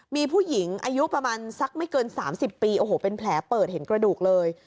มีผู้หญิงอายุประมาณสักไม่เกิน๓๐ปีโอ้โหเป็นแผลเปิดเห็นกระดูกเลย